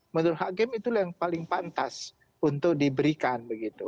menurut hakim itu yang paling pantas untuk diberikan begitu